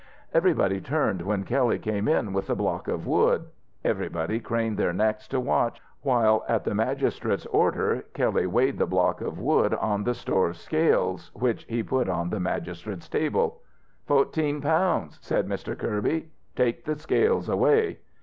Everybody turned when Kelley came in with the block of wood. Everybody craned their necks to watch, while at the magistrate's order Kelley weighed the block of wood on the store's scales, which he put on the magistrate's table. "Fo'teen punds," said Mr. Kirby. "Take the scales away."